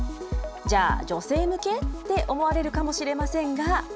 じゃあ、女性向けって思われるかもしれませんが。